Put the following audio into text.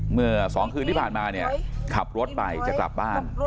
เมื่อ๒คืนที่ผ่านมาเนี่ยขับรถไปจะกลับบ้าน